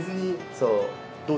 そう。